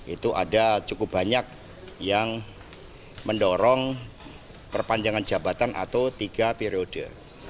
itu ada cukup banyak yang mendorong perpanjangan jabatan atau tiga periode